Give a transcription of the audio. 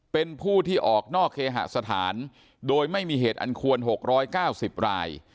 เป็นผู้ที่ออกนอกเคหสถานโดยไม่มีเหตุอันควร๖๙๐ราย